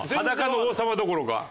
裸の王様どころか。